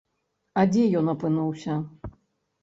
А дзе ён апынуўся?